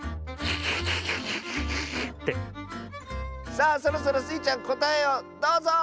さあそろそろスイちゃんこたえをどうぞ！